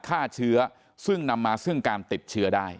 ฆ่าเชื้อซึ่งนำมาซึ่งการติดเชื้อได้